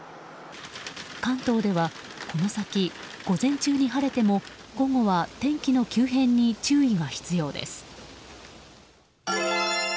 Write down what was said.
関東ではこの先午前中に晴れても午後は天気の急変に注意が必要です。